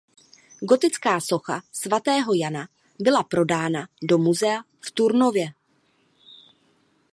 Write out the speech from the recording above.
Gotická socha svatého Jana byla prodána do muzea v Turnově.